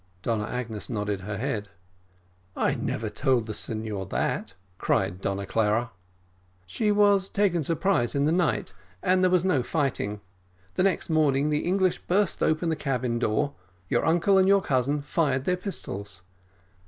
Donna Agnes nodded her head. "I never told the signor that," cried Donna Clara. "She was taken by surprise in the night, and there was no fighting. The next morning the English burst open the cabin door; your uncle and your cousin fired their pistols."